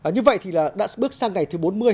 như vậy thì đã bước sang ngày thứ bốn mươi